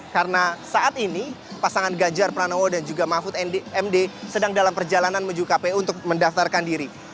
karena saat ini pasangan ganjar pranowo dan juga mahfud md sedang dalam perjalanan menuju kpu untuk mendaftarkan diri